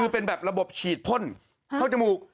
เป็นแบบระบบฉีดพ่นเข้าจมูก